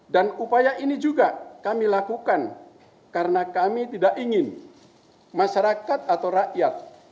dan upaya ini juga kami lakukan karena kami tidak ingin masyarakat atau rakyat